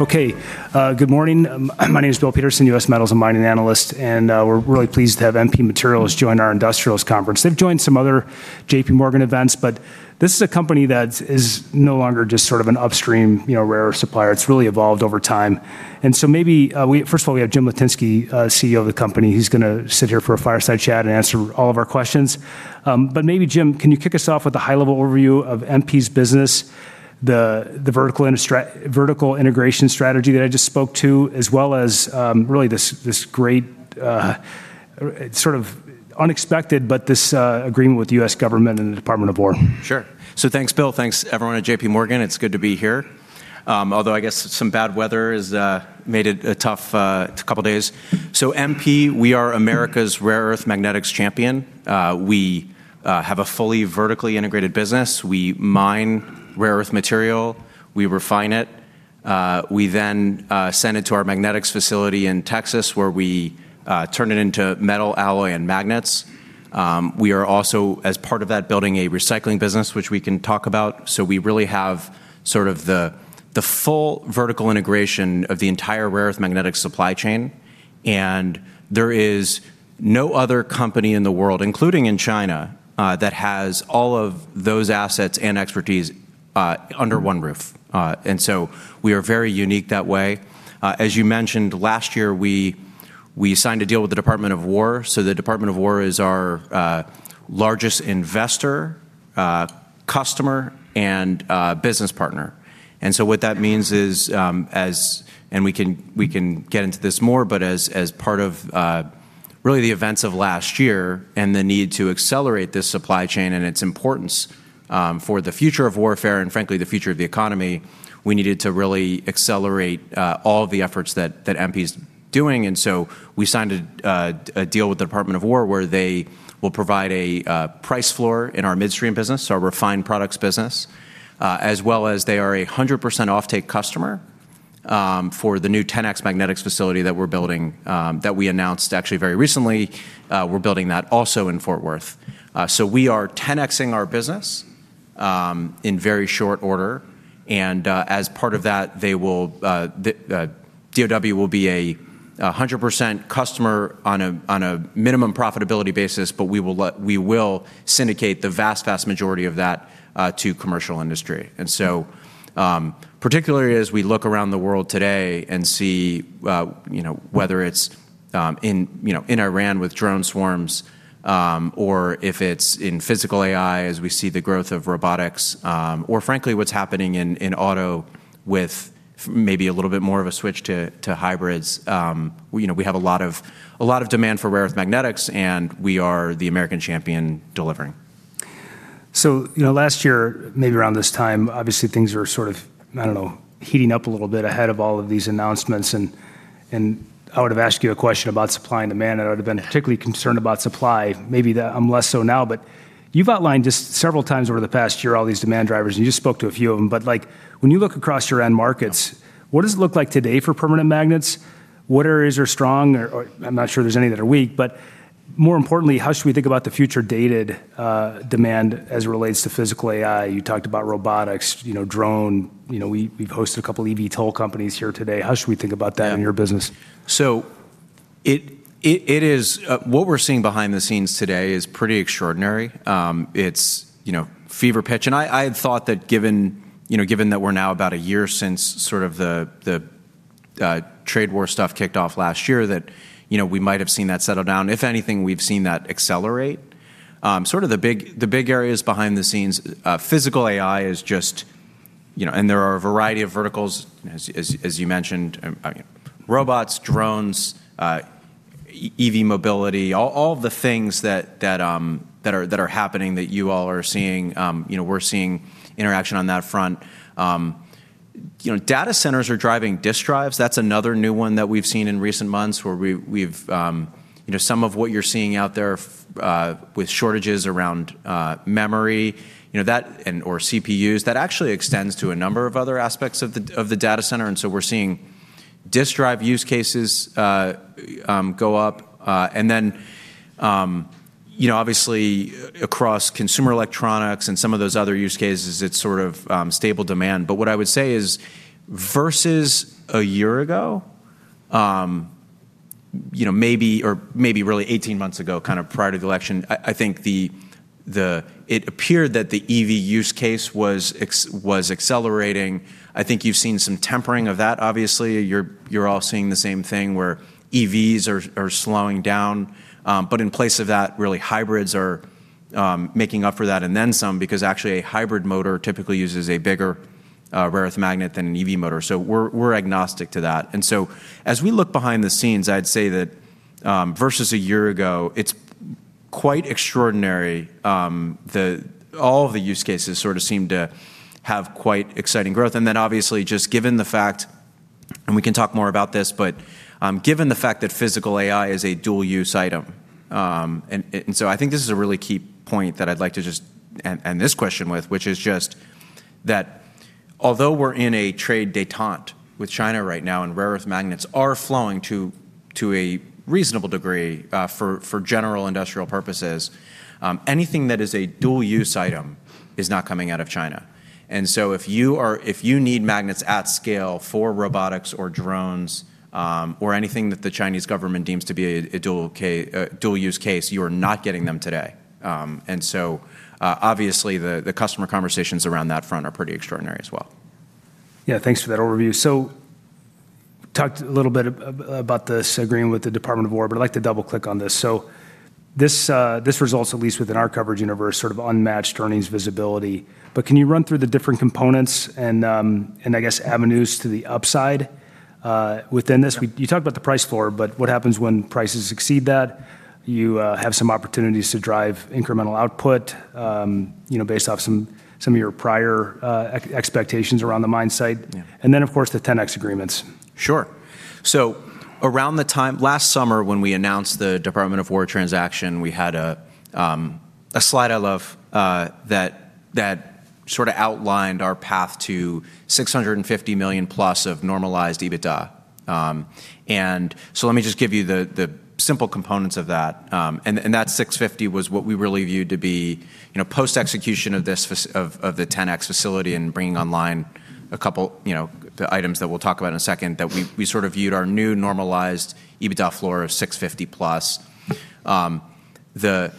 Okay. Good morning. My name is Bill Peterson, U.S. Metals and Mining Analyst, and we're really pleased to have MP Materials join our industrials conference. They've joined some other JP Morgan events, but this is a company that's no longer just sort of an upstream, you know, rare supplier. It's really evolved over time. First of all, we have James Litinsky, CEO of the company. He's gonna sit here for a fireside chat and answer all of our questions. Maybe, James, can you kick us off with a high-level overview of MP's business, the vertical integration strategy that I just spoke to, as well as really this great sort of unexpected, but this agreement with the U.S. government and the Department of War? Sure. Thanks, Bill. Thanks everyone at JP Morgan. It's good to be here. Although I guess some bad weather has made it a tough couple of days. MP, we are America's rare earth magnetics champion. We have a fully vertically integrated business. We mine rare earth material. We refine it. We then send it to our magnetics facility in Texas, where we turn it into metal alloy and magnets. We are also, as part of that, building a recycling business, which we can talk about. We really have sort of the full vertical integration of the entire rare earth magnetic supply chain. There is no other company in the world, including in China, that has all of those assets and expertise under one roof. We are very unique that way. As you mentioned, last year, we signed a deal with the Department of Defense. The Department of Defense is our largest investor, customer, and business partner. What that means is, we can get into this more, but as part of really the events of last year and the need to accelerate this supply chain and its importance, for the future of warfare and frankly, the future of the economy, we needed to really accelerate all of the efforts that MP is doing. We signed a deal with the Department of Defense where they will provide a price floor in our midstream business, our refined products business, as well as they are 100% offtake customer for the new 10X magnetics facility that we're building, that we announced actually very recently. We're building that also in Fort Worth. We are 10x-ing our business in very short order. As part of that, they will, the DOD will be a 100% customer on a minimum profitability basis, but we will syndicate the vast majority of that to commercial industry. Particularly as we look around the world today and see, you know, whether it's in, you know, in Iran with drone swarms, or if it's in physical AI as we see the growth of robotics, or frankly, what's happening in auto with maybe a little bit more of a switch to hybrids, you know, we have a lot of demand for rare-earth magnets, and we are the American champion delivering. You know, last year, maybe around this time, obviously things were sort of, I don't know, heating up a little bit ahead of all of these announcements, and I would have asked you a question about supply and demand, and I would have been particularly concerned about supply. Maybe that I'm less so now, but you've outlined just several times over the past year all these demand drivers, and you just spoke to a few of them. But, like, when you look across your end markets, what does it look like today for permanent magnets? What areas are strong? Or I'm not sure there's any that are weak, but more importantly, how should we think about the future dated demand as it relates to Physical AI? You talked about robotics, you know, drone. You know, we've hosted a couple eVTOL companies here today. How should we think about that in your business? It is what we're seeing behind the scenes today is pretty extraordinary. It's, you know, fever pitch. I had thought that given, you know, given that we're now about a year since sort of the trade war stuff kicked off last year, that, you know, we might have seen that settle down. If anything, we've seen that accelerate. Sort of the big areas behind the scenes, physical AI is just, you know. There are a variety of verticals, as you mentioned, robots, drones, EV mobility, all of the things that are happening that you all are seeing, you know, we're seeing interaction on that front. You know, data centers are driving disk drives. That's another new one that we've seen in recent months where we've—you know, some of what you're seeing out there with shortages around memory, you know, that and/or CPUs, that actually extends to a number of other aspects of the data center. We're seeing disk drive use cases go up. Then, you know, obviously across consumer electronics and some of those other use cases, it's sort of stable demand. What I would say is versus a year ago, you know, maybe or maybe really 18 months ago, kind of prior to the election, I think it appeared that the EV use case was accelerating. I think you've seen some tempering of that, obviously. You're all seeing the same thing where EVs are slowing down. In place of that, really hybrids are making up for that and then some, because actually a hybrid motor typically uses a bigger rare earth magnet than an EV motor. We're agnostic to that. As we look behind the scenes, I'd say that versus a year ago, it's quite extraordinary. All of the use cases sort of seem to have quite exciting growth. Obviously, just given the fact, and we can talk more about this, but, given the fact that Physical AI is a dual-use item, and so I think this is a really key point that I'd like to just end this question with, which is just that although we're in a trade détente with China right now, and rare-earth magnets are flowing to a reasonable degree, for general industrial purposes, anything that is a dual-use item is not coming out of China. If you need magnets at scale for robotics or drones, or anything that the Chinese government deems to be a dual-use case, you are not getting them today. Obviously the customer conversations around that front are pretty extraordinary as well. Yeah, thanks for that overview. Talked a little bit about this agreement with the Department of War, but I'd like to double-click on this. This results at least within our coverage universe, sort of unmatched earnings visibility. Can you run through the different components and I guess avenues to the upside, within this? Yeah. You talked about the price floor, but what happens when prices exceed that? You have some opportunities to drive incremental output, you know, based off some of your prior expectations around the mine site. Yeah. Of course, the 10X agreements. Sure. Around the time last summer when we announced the Department of War transaction, we had a slide I love that sorta outlined our path to $650+ million of normalized EBITDA. Let me just give you the simple components of that. That $650 million was what we really viewed to be, you know, post-execution of the 10X facility and bringing online a couple, you know, the items that we'll talk about in a second that we sort of viewed our new normalized EBITDA floor of $650 million+.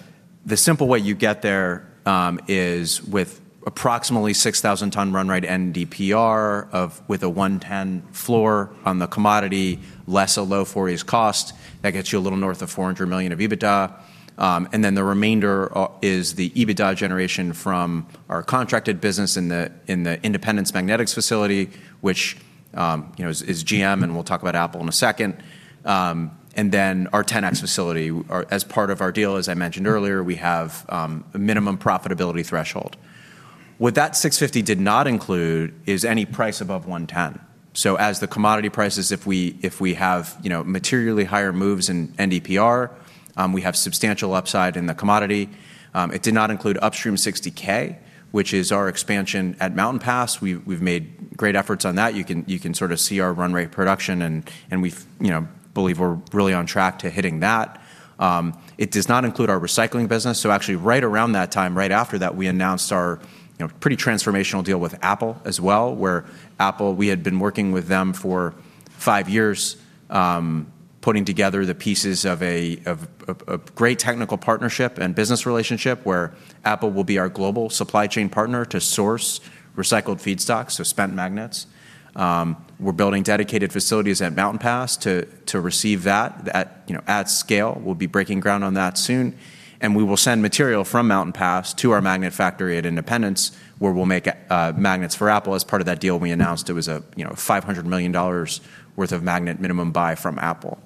The simple way you get there is with approximately 6,000 ton run rate NdPr with a 110 floor on the commodity, less or low for is cost, that gets you a little north of $400 million of EBITDA. Then the remainder is the EBITDA generation from our contracted business in the Independence Magnetics facility, which you know is GM, and we'll talk about Apple in a second. Our 10X facility. As part of our deal, as I mentioned earlier, we have a minimum profitability threshold. What that $650 did not include is any price above 110. As the commodity prices, if we have materially higher moves in NdPr, we have substantial upside in the commodity. It did not include Upstream 60k, which is our expansion at Mountain Pass. We've made great efforts on that. You can sort of see our run rate production and you know, believe we're really on track to hitting that. It does not include our recycling business. Actually right around that time, right after that, we announced our, you know, pretty transformational deal with Apple as well, where Apple, we had been working with them for five years, putting together the pieces of a great technical partnership and business relationship where Apple will be our global supply chain partner to source recycled feedstock, so spent magnets. We're building dedicated facilities at Mountain Pass to receive that at, you know, at scale. We'll be breaking ground on that soon. We will send material from Mountain Pass to our magnet factory at Independence Magnetics, where we'll make magnets for Apple. As part of that deal we announced, it was a, you know, $500 million worth of magnet minimum buy from Apple.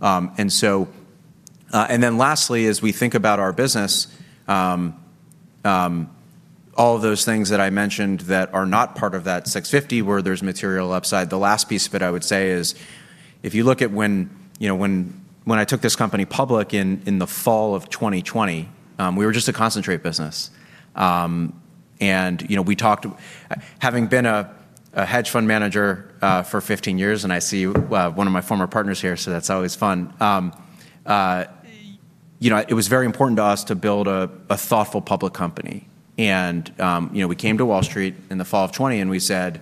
Lastly, as we think about our business, all of those things that I mentioned that are not part of that $650 where there's material upside, the last piece of it I would say is, if you look at when, you know, I took this company public in the fall of 2020, we were just a concentrate business. You know, having been a hedge fund manager for 15 years, and I see one of my former partners here, so that's always fun. You know, it was very important to us to build a thoughtful public company. You know, we came to Wall Street in the fall of 2020, and we said,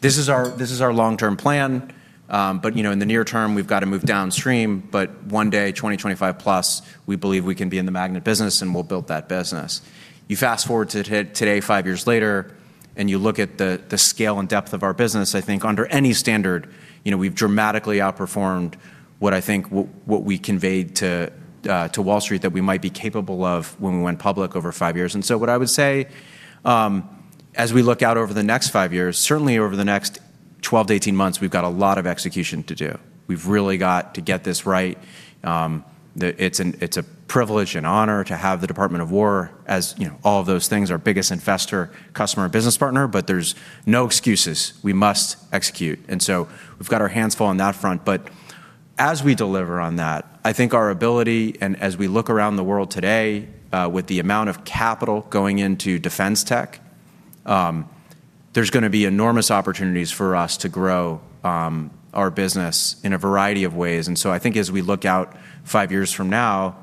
"This is our long-term plan, but, you know, in the near term, we've got to move downstream. But one day, 2025 plus, we believe we can be in the magnet business, and we'll build that business." You fast-forward to today, five years later, and you look at the scale and depth of our business. I think under any standard, you know, we've dramatically outperformed what I think we conveyed to Wall Street that we might be capable of when we went public over five years. What I would say, as we look out over the next five years, certainly over the next 12-18 months, we've got a lot of execution to do. We've really got to get this right. It's a privilege and honor to have the Department of War as, you know, all of those things, our biggest investor, customer, business partner, but there's no excuses. We must execute. We've got our hands full on that front. But as we deliver on that, I think our ability, and as we look around the world today, with the amount of capital going into defense tech, there's gonna be enormous opportunities for us to grow, our business in a variety of ways. I think as we look out five years from now,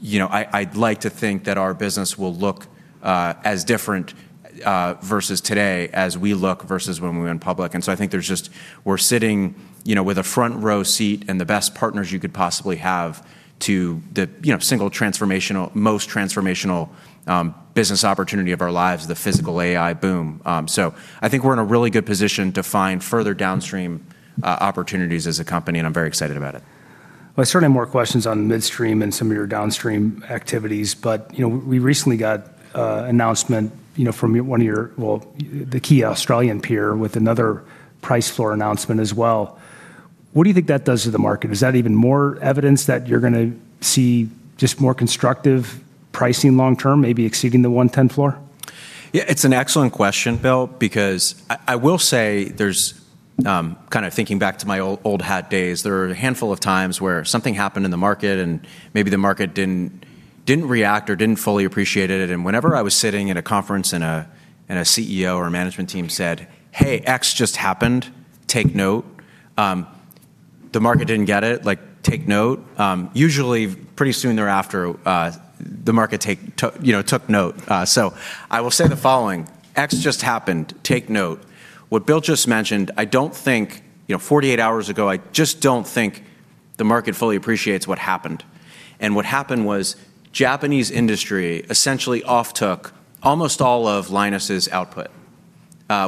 you know, I'd like to think that our business will look as different versus today as we look versus when we went public. I think there's just We're sitting, you know, with a front row seat and the best partners you could possibly have to the, you know, most transformational business opportunity of our lives, the physical AI boom. I think we're in a really good position to find further downstream opportunities as a company, and I'm very excited about it. Well, I certainly have more questions on midstream and some of your downstream activities, but, you know, we recently got an announcement, you know, from one of your, well, the key Australian peer with another price floor announcement as well. What do you think that does to the market? Is that even more evidence that you're gonna see just more constructive pricing long term, maybe exceeding the 110 floor? Yeah, it's an excellent question, Bill, because I will say there's kind of thinking back to my old hat days, there are a handful of times where something happened in the market and maybe the market didn't react or didn't fully appreciate it. Whenever I was sitting in a conference and a CEO or management team said, "Hey, X just happened. Take note." The market didn't get it. Like, take note. Usually pretty soon thereafter, the market took, you know, note. I will say the following. X just happened. Take note. What Bill just mentioned, I don't think, you know, 48 hours ago, I just don't think the market fully appreciates what happened. What happened was Japanese industry essentially offtook almost all of Lynas' output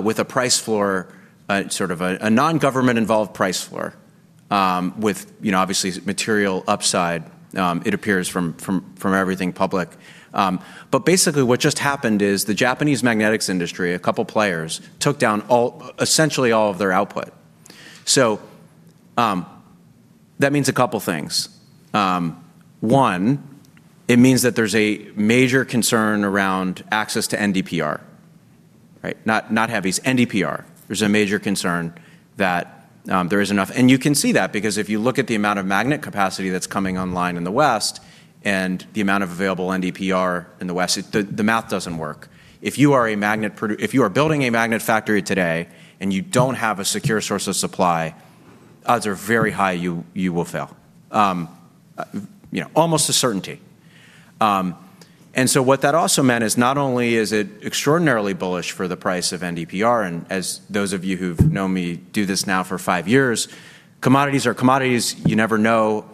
with a price floor, a sort of non-government involved price floor, with you know obviously material upside. It appears from everything public. Basically what just happened is the Japanese magnet industry, a couple players, offtook essentially all of their output. That means a couple things. One, it means that there's a major concern around access to NdPr. Right? Not heavies, NdPr. There's a major concern that there is enough. You can see that because if you look at the amount of magnet capacity that's coming online in the West and the amount of available NdPr in the West, the math doesn't work. If you are building a magnet factory today and you don't have a secure source of supply, odds are very high you will fail. You know, almost a certainty. What that also meant is not only is it extraordinarily bullish for the price of NdPr, and as those of you who've known me do this now for five years, commodities are commodities, you never know,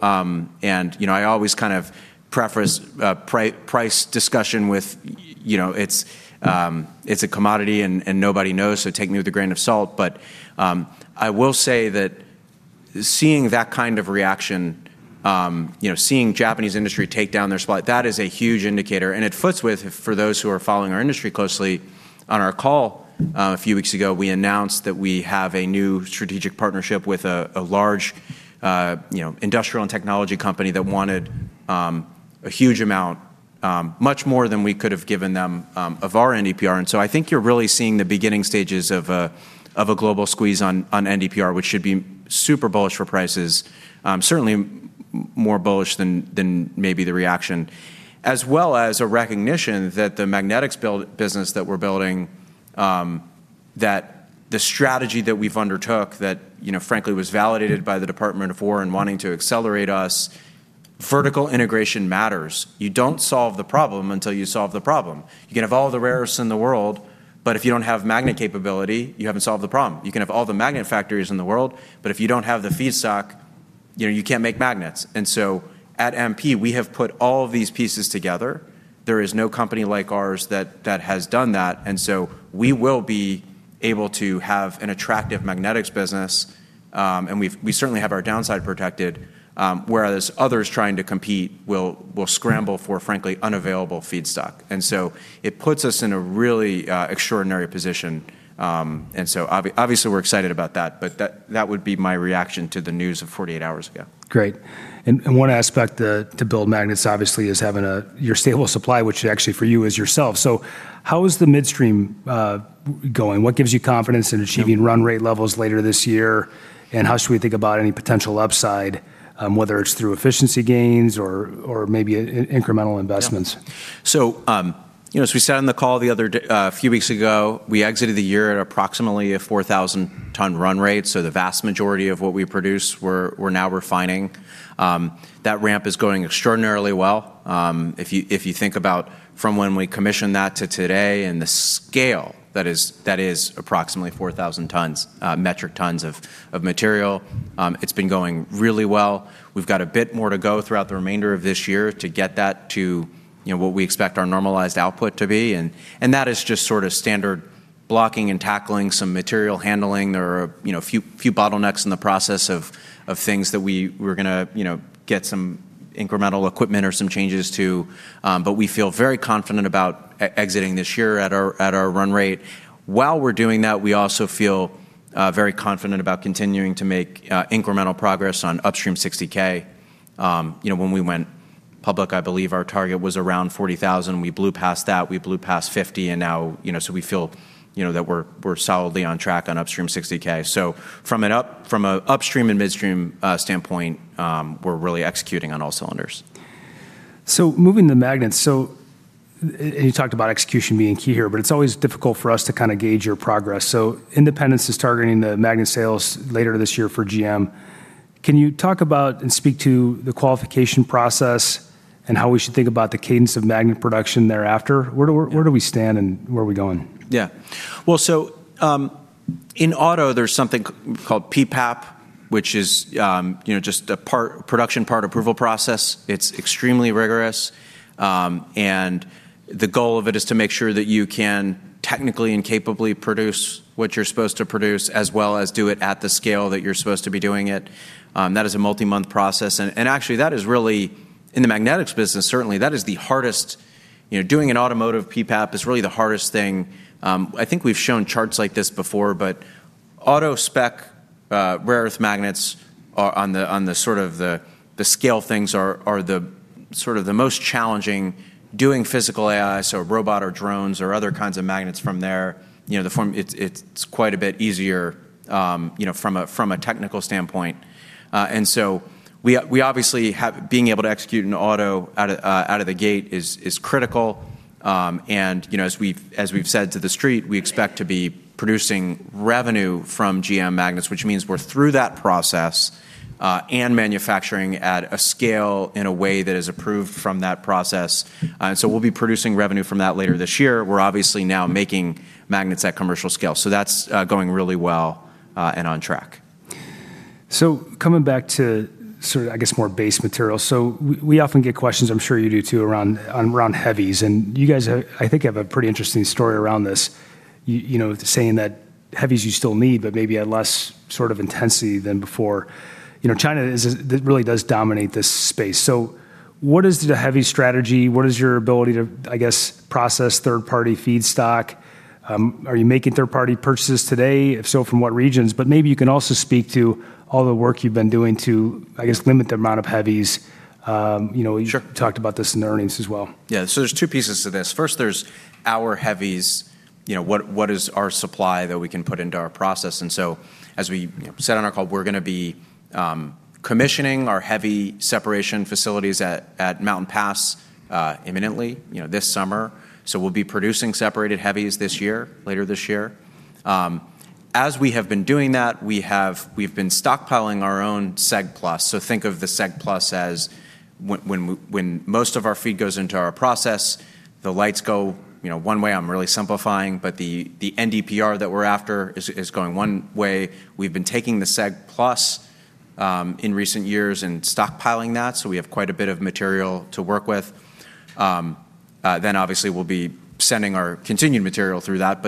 and, you know, I always kind of preface price discussion with, you know, it's a commodity and nobody knows, so take me with a grain of salt. I will say that seeing that kind of reaction, you know, seeing Japanese industry take down their supply, that is a huge indicator. It fits with, for those who are following our industry closely, on our call a few weeks ago, we announced that we have a new strategic partnership with a large, you know, industrial and technology company that wanted a huge amount, much more than we could have given them, of our NdPr. I think you're really seeing the beginning stages of a global squeeze on NdPr, which should be super bullish for prices. Certainly more bullish than maybe the reaction. As well as a recognition that the magnetics business that we're building, that the strategy that we've undertaken that, you know, frankly, was validated by the Department of War in wanting to accelerate us, vertical integration matters. You don't solve the problem until you solve the problem. You can have all the rare earths in the world, but if you don't have magnet capability, you haven't solved the problem. You can have all the magnet factories in the world, but if you don't have the feedstock, you know, you can't make magnets. At MP, we have put all of these pieces together. There is no company like ours that has done that. We will be able to have an attractive magnetics business, and we certainly have our downside protected, whereas others trying to compete will scramble for, frankly, unavailable feedstock. It puts us in a really extraordinary position. Obviously we're excited about that, but that would be my reaction to the news of 48 hours ago. Great. One aspect to build magnets obviously is having your stable supply, which actually for you is yourself. How is the midstream going? What gives you confidence in achieving run rate levels later this year? How should we think about any potential upside, whether it's through efficiency gains or maybe incremental investments? You know, as we said on the call a few weeks ago, we exited the year at approximately a 4,000 ton run rate. The vast majority of what we produce we're now refining. That ramp is going extraordinarily well. If you think about from when we commissioned that to today and the scale that is approximately 4,000 tons, metric tons of material, it's been going really well. We've got a bit more to go throughout the remainder of this year to get that to, you know, what we expect our normalized output to be. That is just sort of standard blocking and tackling some material handling. There are, you know, few bottlenecks in the process of things that we're gonna, you know, get some incremental equipment or some changes to, but we feel very confident about exiting this year at our run rate. While we're doing that, we also feel very confident about continuing to make incremental progress on Upstream 60K. You know, when we went public, I believe our target was around 40,000. We blew past that. We blew past 50, and now, you know, so we feel, you know, that we're solidly on track on Upstream 60K. From a upstream and midstream standpoint, we're really executing on all cylinders. Moving the magnets, and you talked about execution being key here, but it's always difficult for us to kind of gauge your progress. Independence Magnetics is targeting the magnet sales later this year for GM. Can you talk about and speak to the qualification process and how we should think about the cadence of magnet production thereafter? Where do we stand, and where are we going? Yeah. Well, in auto, there's something called PPAP, which is, you know, just a production part approval process. It's extremely rigorous, and the goal of it is to make sure that you can technically and capably produce what you're supposed to produce as well as do it at the scale that you're supposed to be doing it. That is a multi-month process. Actually, that is really, in the magnetics business, certainly, that is the hardest. You know, doing an automotive PPAP is really the hardest thing. I think we've shown charts like this before, but auto spec rare-earth magnets on the sort of scale things are the sort of most challenging doing Physical AI, so robot or drones or other kinds of magnets from there. You know, it's quite a bit easier, you know, from a technical standpoint. We obviously have being able to execute in auto out of the gate is critical. You know, as we've said to the street, we expect to be producing revenue from GM magnets, which means we're through that process, and manufacturing at a scale in a way that is approved from that process. We'll be producing revenue from that later this year. We're obviously now making magnets at commercial scale. That's going really well, and on track. Coming back to sort of, I guess, more base material. We often get questions, I'm sure you do too, around heavies, and you guys have, I think, a pretty interesting story around this. You know, saying that heavies you still need, but maybe at less sort of intensity than before. You know, China really does dominate this space. What is the heavy strategy? What is your ability to, I guess, process third-party feedstock? Are you making third-party purchases today? If so, from what regions? Maybe you can also speak to all the work you've been doing to, I guess, limit the amount of heavies, you know. Sure. You talked about this in the earnings as well. Yeah. There's two pieces to this. First, there's our heavies, you know, what is our supply that we can put into our process? As we said on our call, we're gonna be commissioning our heavy separation facilities at Mountain Pass imminently, you know, this summer. We'll be producing separated heavies this year, later this year. As we've been doing that, we've been stockpiling our own SEG+. Think of the SEG+ as when most of our feed goes into our process, the lights go, you know, one way, I'm really simplifying, but the NdPr that we're after is going one way. We've been taking the SEG+ in recent years and stockpiling that, so we have quite a bit of material to work with. Obviously we'll be sending our continued material through that.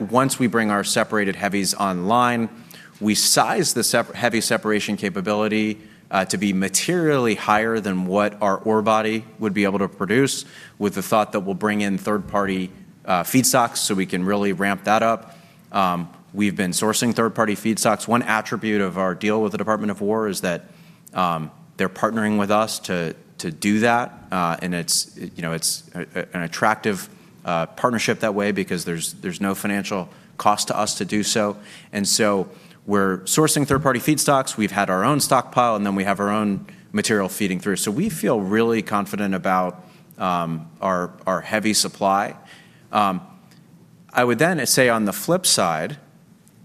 Once we bring our separated heavies online, we size the heavy separation capability to be materially higher than what our ore body would be able to produce with the thought that we'll bring in third-party feedstocks, so we can really ramp that up. We've been sourcing third-party feedstocks. One attribute of our deal with the Department of War is that they're partnering with us to do that, and it's, you know, an attractive partnership that way because there's no financial cost to us to do so. We're sourcing third-party feedstocks. We've had our own stockpile, and then we have our own material feeding through. We feel really confident about our heavy supply. I would then say on the flip side,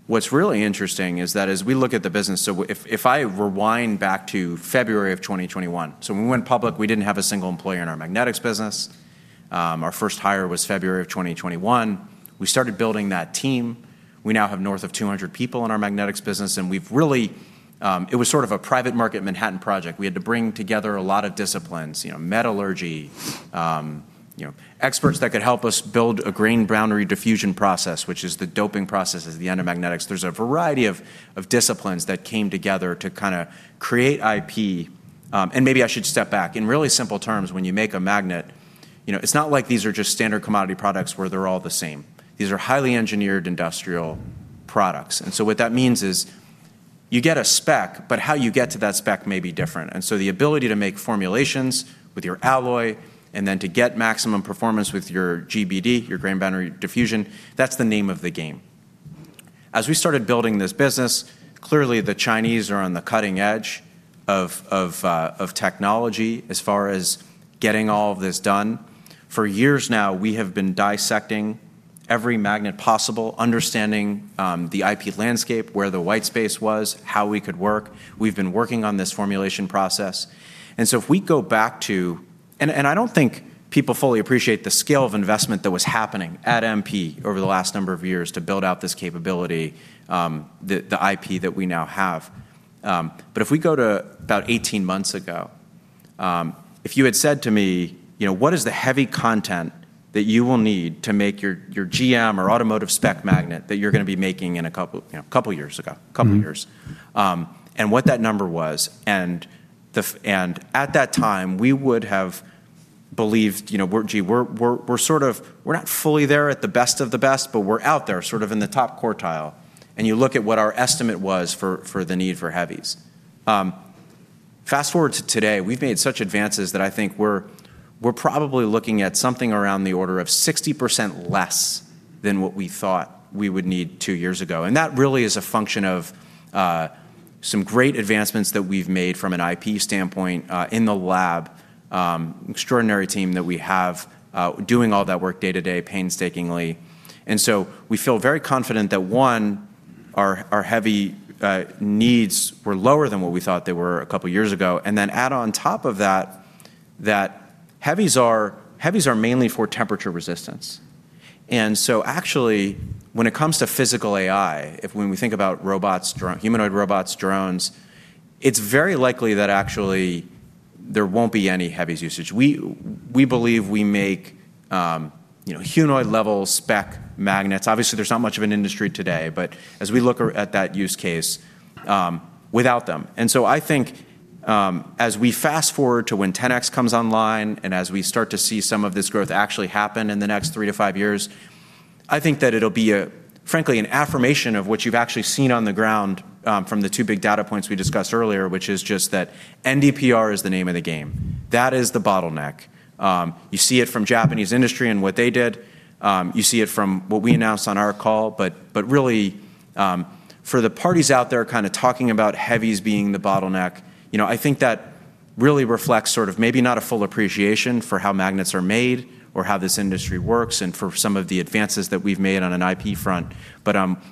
what's really interesting is that as we look at the business. If I rewind back to February of 2021, when we went public, we didn't have a single employee in our magnetics business. Our first hire was February of 2021. We started building that team. We now have north of 200 people in our magnetics business, and we've really, it was sort of a private market Manhattan Project. We had to bring together a lot of disciplines, you know, metallurgy, you know, experts that could help us build a Grain Boundary Diffusion process, which is the doping process, it's the end of magnetics. There's a variety of disciplines that came together to kinda create IP. And maybe I should step back. In really simple terms, when you make a magnet, you know, it's not like these are just standard commodity products where they're all the same. These are highly engineered industrial products. What that means is you get a spec, but how you get to that spec may be different. The ability to make formulations with your alloy and then to get maximum performance with your GBD, your Grain Boundary Diffusion, that's the name of the game. As we started building this business, clearly, the Chinese are on the cutting edge of technology as far as getting all of this done. For years now, we have been dissecting every magnet possible, understanding the IP landscape, where the white space was, how we could work. We've been working on this formulation process. I don't think people fully appreciate the scale of investment that was happening at MP over the last number of years to build out this capability, the IP that we now have. If we go to about 18 months ago, if you had said to me, you know, "What is the heavy content that you will need to make your GM or automotive spec magnet that you're gonna be making in a couple, you know, couple years ago, couple years," and what that number was. At that time, we would have believed, you know, gee, we're sort of not fully there at the best of the best, but we're out there sort of in the top quartile. You look at what our estimate was for the need for heavies. Fast-forward to today, we've made such advances that I think we're probably looking at something around the order of 60% less than what we thought we would need two years ago. That really is a function of some great advancements that we've made from an IP standpoint in the lab, extraordinary team that we have doing all that work day-to-day painstakingly. We feel very confident that, one, our heavy needs were lower than what we thought they were a couple years ago. Then add on top of that heavies are mainly for temperature resistance. Actually, when it comes to physical AI, if when we think about robots, humanoid robots, drones, it's very likely that actually there won't be any heavies usage. We believe we make, you know, humanoid-level spec magnets. Obviously, there's not much of an industry today, but as we look at that use case without them. I think as we fast-forward to when 10X comes online and as we start to see some of this growth actually happen in the next three or five years, I think that it'll be a, frankly, an affirmation of what you've actually seen on the ground from the two big data points we discussed earlier, which is just that NdPr is the name of the game. That is the bottleneck. You see it from Japanese industry and what they did, you see it from what we announced on our call. Really, for the parties out there kinda talking about heavies being the bottleneck, you know, I think that really reflects sort of maybe not a full appreciation for how magnets are made or how this industry works and for some of the advances that we've made on an IP front.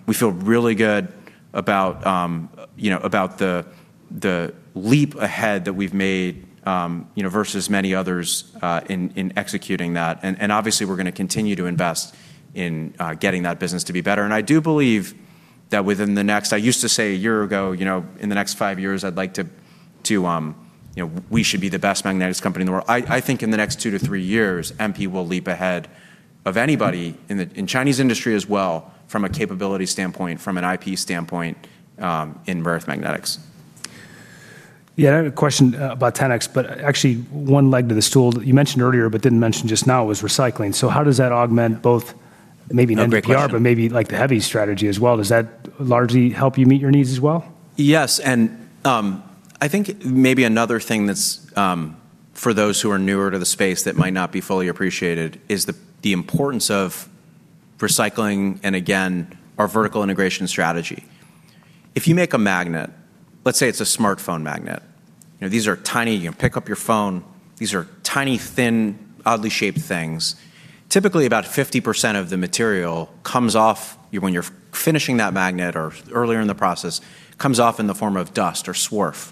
We feel really good about, you know, about the leap ahead that we've made, you know, versus many others, in executing that. Obviously we're gonna continue to invest in getting that business to be better. I do believe that within the next I used to say a year ago, you know, in the next five years we should be the best magnets company in the world. I think in the next two to three years, MP will leap ahead of anybody in the Chinese industry as well from a capability standpoint, from an IP standpoint, in rare-earth magnets. Yeah. I have a question about 10X, but actually one leg of the stool you mentioned earlier but didn't mention just now was recycling. How does that augment both maybe an NdPr- Great question. Maybe like the heavy strategy as well? Does that largely help you meet your needs as well? Yes. I think maybe another thing that's for those who are newer to the space that might not be fully appreciated is the importance of recycling and again, our vertical integration strategy. If you make a magnet, let's say it's a smartphone magnet, you know, these are tiny. You pick up your phone, these are tiny, thin, oddly shaped things. Typically, about 50% of the material comes off when you're finishing that magnet or earlier in the process, comes off in the form of dust or swarf.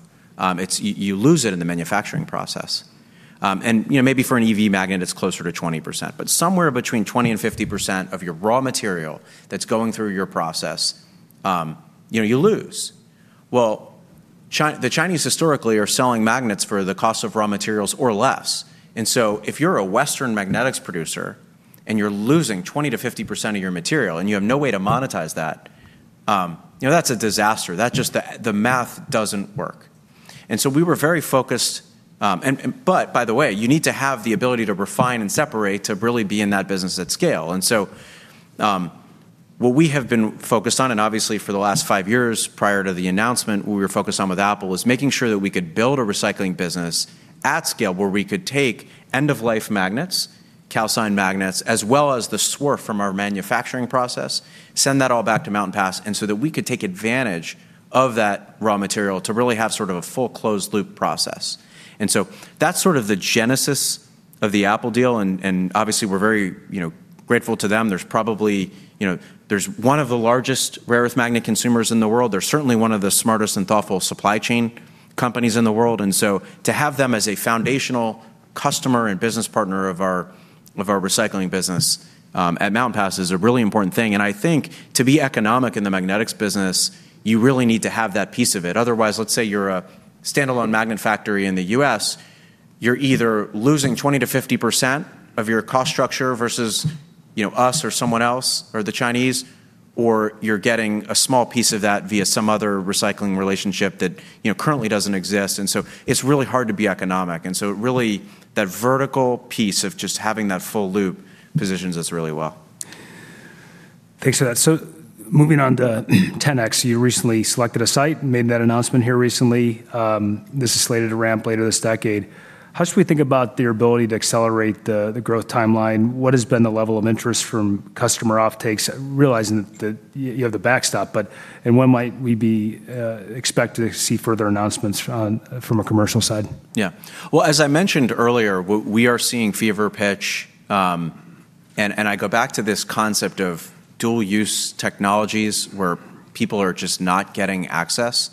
You lose it in the manufacturing process. And, you know, maybe for an EV magnet it's closer to 20%, but somewhere between 20%-50% of your raw material that's going through your process, you know, you lose. Well, the Chinese historically are selling magnets for the cost of raw materials or less. If you're a Western magnetics producer and you're losing 20%-50% of your material and you have no way to monetize that, you know, that's a disaster. That's just the math doesn't work. We were very focused. By the way, you need to have the ability to refine and separate to really be in that business at scale. What we have been focused on, and obviously for the last five years prior to the announcement, what we were focused on with Apple, was making sure that we could build a recycling business at scale where we could take end-of-life magnets, calcined magnets, as well as the swarf from our manufacturing process, send that all back to Mountain Pass, and so that we could take advantage of that raw material to really have sort of a full closed loop process. That's sort of the genesis of the Apple deal, and obviously we're very, you know, grateful to them. There's probably, you know, one of the largest rare-earth magnet consumers in the world. They're certainly one of the smartest and thoughtful supply chain companies in the world. To have them as a foundational customer and business partner of our recycling business at Mountain Pass is a really important thing. I think to be economic in the magnetics business, you really need to have that piece of it. Otherwise, let's say you're a standalone magnet factory in the U.S., you're either losing 20%-50% of your cost structure versus, you know, us or someone else or the Chinese, or you're getting a small piece of that via some other recycling relationship that, you know, currently doesn't exist. It's really hard to be economic. Really that vertical piece of just having that full loop positions us really well. Thanks for that. Moving on to 10X. You recently selected a site and made that announcement here recently. This is slated to ramp later this decade. How should we think about your ability to accelerate the growth timeline? What has been the level of interest from customer offtakes, realizing that you have the backstop, but and when might we expect to see further announcements from a commercial side? Yeah. Well, as I mentioned earlier, we are seeing fever pitch, and I go back to this concept of dual-use technologies where people are just not getting access.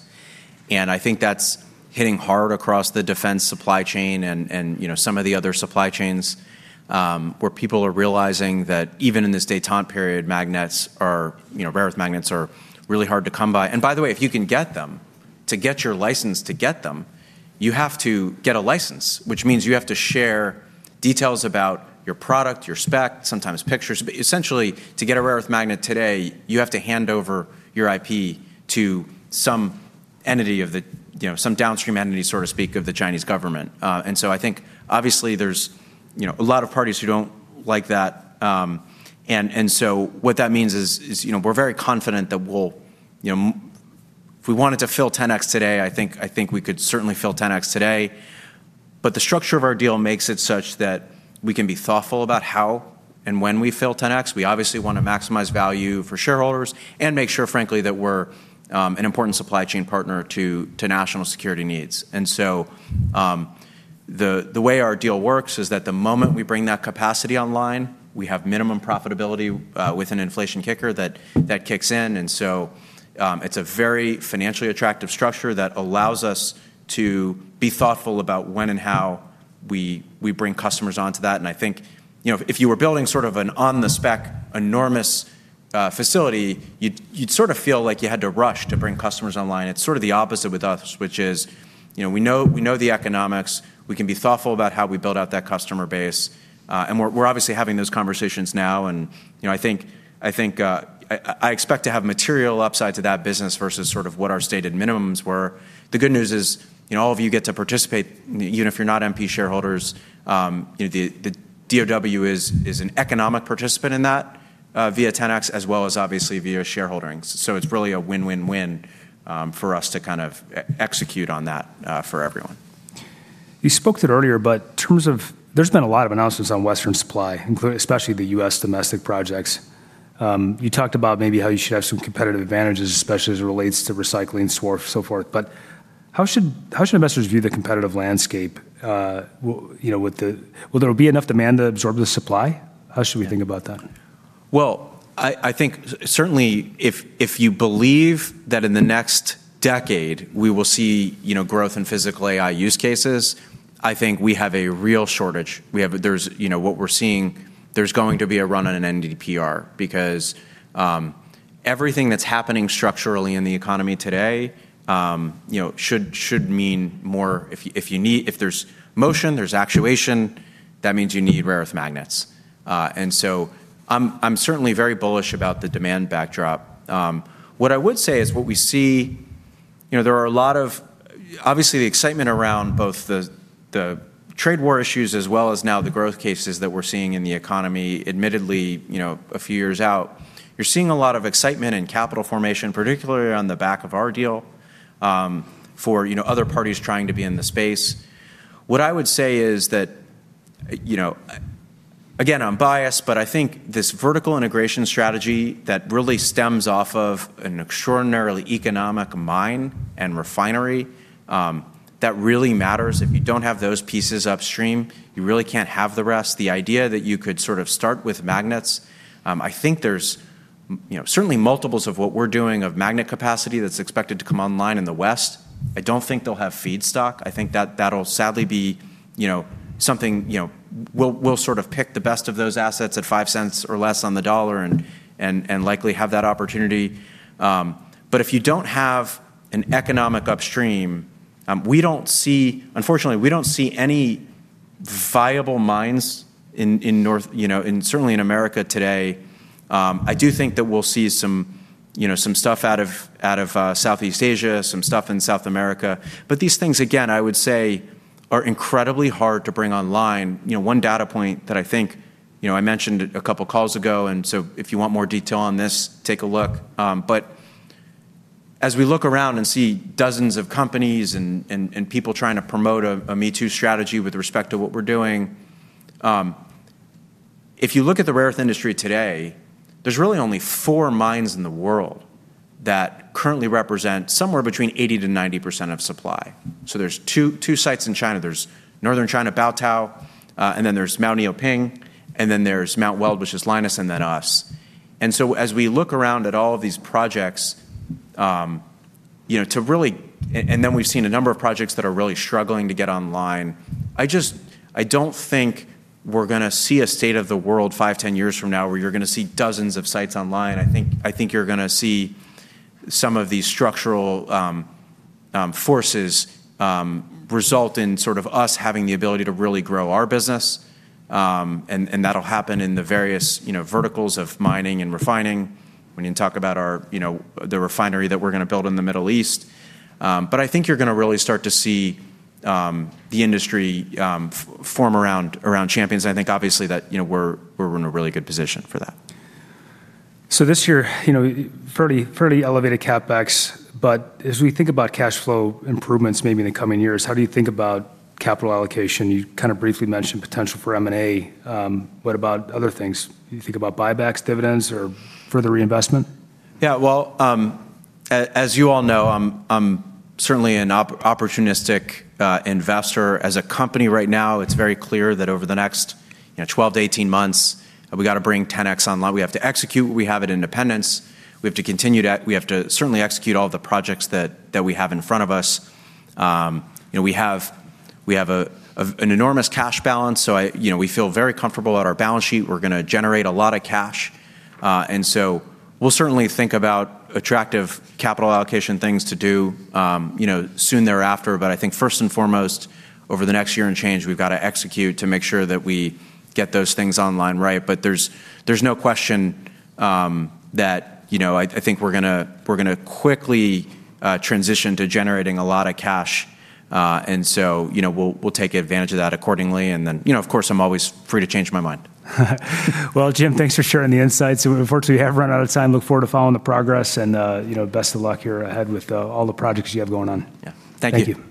I think that's hitting hard across the defense supply chain and, you know, some of the other supply chains, where people are realizing that even in this détente period, magnets are, you know, rare earth magnets are really hard to come by. By the way, if you can get them, to get your license to get them, you have to get a license, which means you have to share details about your product, your spec, sometimes pictures. Essentially, to get a rare earth magnet today, you have to hand over your IP to some entity of the, you know, some downstream entity, so to speak, of the Chinese government. I think obviously there's, you know, a lot of parties who don't like that. What that means is, you know, we're very confident that we'll, you know. If we wanted to fill 10X today, I think we could certainly fill 10X today. The structure of our deal makes it such that we can be thoughtful about how and when we fill 10X. We obviously wanna maximize value for shareholders and make sure, frankly, that we're an important supply chain partner to national security needs. The way our deal works is that the moment we bring that capacity online, we have minimum profitability with an inflation kicker that kicks in. It's a very financially attractive structure that allows us to be thoughtful about when and how we bring customers onto that. I think, you know, if you were building sort of an on the spec enormous facility, you'd sort of feel like you had to rush to bring customers online. It's sort of the opposite with us, which is, you know, we know the economics, we can be thoughtful about how we build out that customer base. We're obviously having those conversations now. You know, I think I expect to have material upside to that business versus sort of what our stated minimums were. The good news is, you know, all of you get to participate even if you're not MP shareholders. You know, the DOD is an economic participant in that. Via 10X as well as obviously via shareholdering. It's really a win-win-win for us to kind of execute on that for everyone. You spoke to it earlier, but in terms of, there's been a lot of announcements on western supply, especially the U.S. domestic projects. You talked about maybe how you should have some competitive advantages, especially as it relates to recycling, swarf, so forth. How should investors view the competitive landscape? You know, will there be enough demand to absorb the supply? How should we think about that? Well, I think certainly if you believe that in the next decade we will see, you know, growth in physical AI use cases, I think we have a real shortage. You know, what we're seeing, there's going to be a run on an NdPr because everything that's happening structurally in the economy today, you know, should mean more if there's motion, there's actuation, that means you need rare earth magnets. I'm certainly very bullish about the demand backdrop. What I would say is what we see, you know, there are a lot of. Obviously, the excitement around both the trade war issues as well as now the growth cases that we're seeing in the economy, admittedly, you know, a few years out, you're seeing a lot of excitement and capital formation, particularly on the back of our deal, for, you know, other parties trying to be in the space. What I would say is that, you know, again, I'm biased, but I think this vertical integration strategy that really stems off of an extraordinarily economic mine and refinery, that really matters. If you don't have those pieces upstream, you really can't have the rest. The idea that you could sort of start with magnets, I think there's, you know, certainly multiples of what we're doing of magnet capacity that's expected to come online in the West. I don't think they'll have feedstock. I think that that'll sadly be, you know, something, you know. We'll sort of pick the best of those assets at $0.05 or less on the dollar and likely have that opportunity. If you don't have an economic upstream, we don't see. Unfortunately, we don't see any viable mines in North America today. I do think that we'll see some, you know, some stuff out of Southeast Asia, some stuff in South America. These things, again, I would say are incredibly hard to bring online. You know, one data point that I think, you know, I mentioned a couple calls ago, and so if you want more detail on this, take a look. But as we look around and see dozens of companies and people trying to promote a me-too strategy with respect to what we're doing, if you look at the rare earth industry today, there's really only four mines in the world that currently represent somewhere between 80%-90% of supply. So there's two sites in China. There's Northern China, Baotou, and then there's Mount Niuping, and then there's Mount Weld, which is Lynas, and then us. As we look around at all of these projects, you know, to really and then we've seen a number of projects that are really struggling to get online. I don't think we're gonna see a state of the world five, 10 years from now where you're gonna see dozens of sites online. I think you're gonna see some of these structural forces result in sort of us having the ability to really grow our business. That'll happen in the various, you know, verticals of mining and refining when you talk about our, you know, the refinery that we're gonna build in the Middle East. I think you're gonna really start to see the industry form around champions. I think obviously that, you know, we're in a really good position for that. This year, you know, fairly elevated CapEx, but as we think about cash flow improvements maybe in the coming years, how do you think about capital allocation? You kind of briefly mentioned potential for M&A. What about other things? Do you think about buybacks, dividends, or further reinvestment? Yeah, well, as you all know, I'm certainly an opportunistic investor. As a company right now, it's very clear that over the next, you know, 12-18 months, we gotta bring 10X online. We have to execute. We have Independence. We have to continue to execute all the projects that we have in front of us. You know, we have an enormous cash balance, so, you know, we feel very comfortable at our balance sheet. We're gonna generate a lot of cash, and so we'll certainly think about attractive capital allocation things to do, you know, soon thereafter. I think first and foremost, over the next year and change, we've got to execute to make sure that we get those things online right. There's no question that you know I think we're gonna quickly transition to generating a lot of cash. You know, we'll take advantage of that accordingly. You know, of course, I'm always free to change my mind. Well, James, thanks for sharing the insights. We unfortunately have run out of time. Look forward to following the progress and, you know, best of luck here ahead with, all the projects you have going on. Yeah. Thank you.